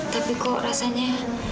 tapi kok rasanya